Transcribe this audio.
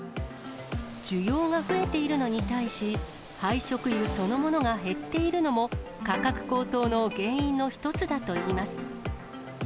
需要が増えているのに対し、廃食油そのものが減っているのも、価格高騰の原因の一つだといいます。